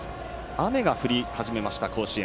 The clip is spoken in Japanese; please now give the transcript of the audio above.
雨が降り始めました甲子園。